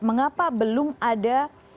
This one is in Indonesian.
mengapa belum ada